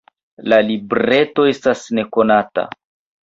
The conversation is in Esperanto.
La libreto estas nekonata.